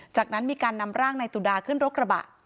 จากนั้นมีการนำร่างนายตุดาขึ้นรถกระบะ